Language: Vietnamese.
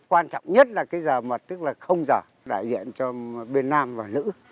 quan trọng nhất là cái giờ mật tức là không giờ đại diện cho bên nam và nữ